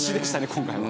今回は。